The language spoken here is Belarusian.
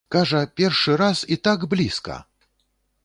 Кажа, першы раз і так блізка!